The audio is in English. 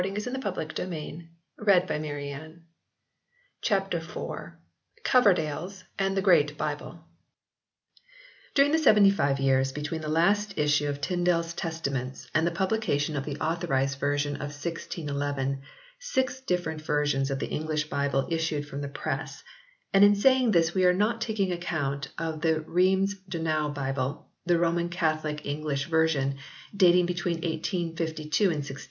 " cried he, " open the King of England s eyes." CHAPTER IV COVERDALE S BIBLE AND THE GREAT BIBLE DURING the seventy five years between the last issue of Tyndale s Testaments and the publication of the Authorised Version of 1611, six different versions of the English Bible issued from the press, and in saying this we are not taking account of the Rheims Douai Bible, the Roman Catholic English Version dating between 1582 and 1610.